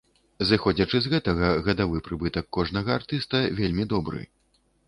Зыходзячы з гэтага гадавы прыбытак кожнага артыста вельмі добры.